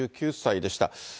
８９歳でした。